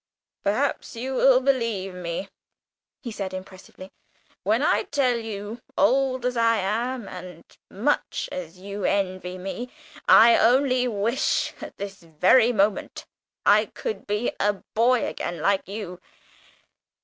"Perhaps you will believe me," he said, impressively, "when I tell you, old as I am and much as you envy me, I only wish, at this very moment, I could be a boy again, like you.